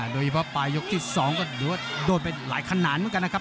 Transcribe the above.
โดยเฉพาะปลายกลุ่มยกที่๒ก็ดวนไปหลายคณัยเหมือนกันนะครับ